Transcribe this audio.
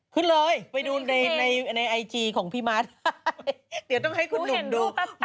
ขึ้นเลยไปดูในไอจีของพี่มัดเดี๋ยวต้องให้คุณหนุ่มดู